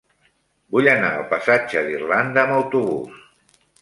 Vull anar al passatge d'Irlanda amb autobús.